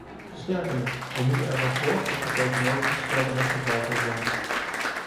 Sterker nog, we moeten ervoor zorgen dat het tegenovergestelde het geval zal zijn.